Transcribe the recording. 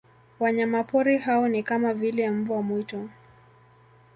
Wanyamapori hao ni kama vile mbwa mwitu